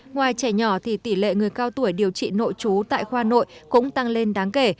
ngoài trẻ nhỏ thì tỷ lệ người cao tuổi điều trị nội trú tại khoa nội cũng tăng lên đáng kể